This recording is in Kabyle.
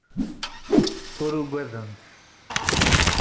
Ur ugadent.